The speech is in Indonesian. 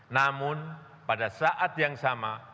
namun pada saat yang sama